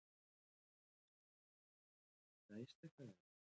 ایا ایرانیان پر هغه باور کوي؟